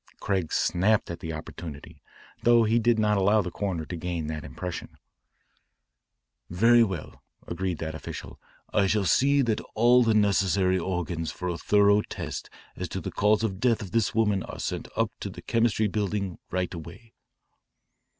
Craig snapped at the opportunity, though he did not allow the coroner to gain that impression. "Very well," agreed that official, " I shall see that all the necessary organs for a thorough test as to the cause of the death of this woman are sent up to the Chemistry Building right away."